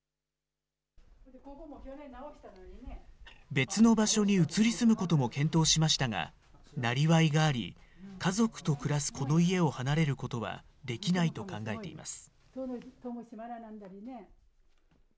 別の場所に移り住むことも検討しましたが、なりわいがあり、家族と暮らすこの家を離れることはできないと考えています。